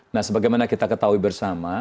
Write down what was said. nah sebagaimana kita ketahui bersama